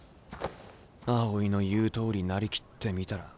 青井の言うとおりなりきってみたらとんでもねえ。